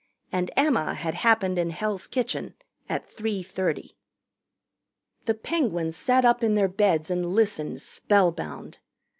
And Emma had happened in Hell's Kitchen at 3:30. The Penguins sat up in their beds and listened spellbound.